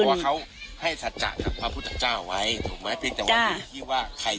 ขึ้นขึ้นเพราะว่าเขาให้สัจจากพระพุทธเจ้าไว้ถูกไหม